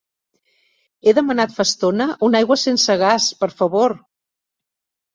He demanat fa estona una aigua sense gas, per favor.